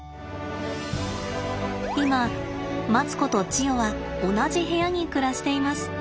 今マツコとチヨは同じ部屋に暮らしています。